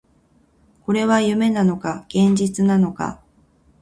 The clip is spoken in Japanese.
これは夢なのか、現実なのか